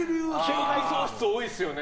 記憶喪失多いですよね